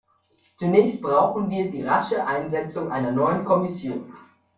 Zunächst brauchen wir die rasche Einsetzung einer neuen Kommission.